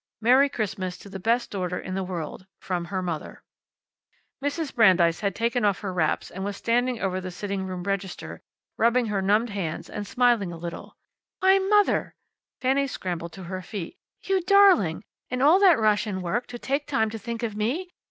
"Merry Christmas to the best daughter in the world. From her Mother." Mrs. Brandeis had taken off her wraps and was standing over the sitting room register, rubbing her numbed hands and smiling a little. "Why, Mother!" Fanny scrambled to her feet. "You darling! In all that rush and work, to take time to think of me!